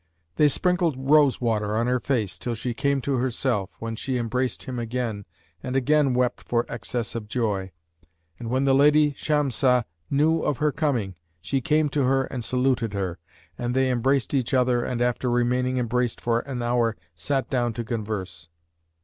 They sprinkled rose water on her face, till she came to herself, when she embraced him again and again wept for excess of joy. And when the lady Shamsah knew of her coming, she came to her and saluted her; and they embraced each other and after remaining embraced for an hour sat down to converse.